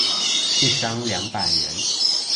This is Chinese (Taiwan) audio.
一張兩百元